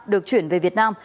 được chuyển về việt nam